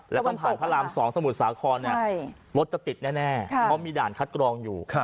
แล้วก็ผ่านพระราม๒สมุทรสาครรถจะติดแน่เพราะมีด่านคัดกรองอยู่